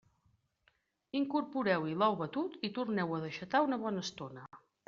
Incorporeu-hi l'ou batut i torneu-ho a deixatar una bona estona.